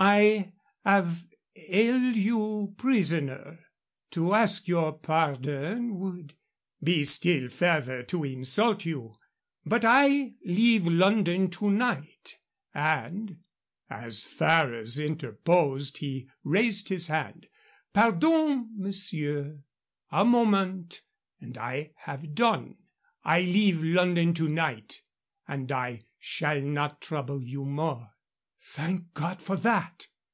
I have held you prisoner. To ask your pardon would be still further to insult you. But I leave London to night and " As Ferrers interposed, he raised his hand. "Pardon, monsieur, a moment and I have done. I leave London to night, and I shall not trouble you more." "Thank God for that!"